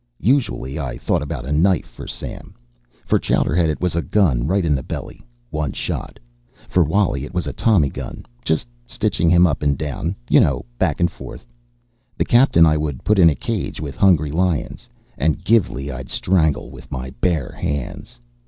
Usually I thought about a knife for Sam. For Chowderhead it was a gun, right in the belly, one shot. For Wally it was a tommy gun just stitching him up and down, you know, back and forth. The captain I would put in a cage with hungry lions, and Gilvey I'd strangle with my bare hands.